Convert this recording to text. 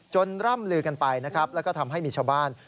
ร่ำลือกันไปนะครับแล้วก็ทำให้มีชาวบ้าน